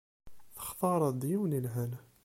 Textareḍ-d yiwen yelha.